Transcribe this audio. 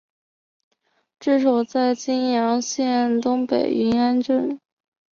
治所在今云阳县东北云安镇。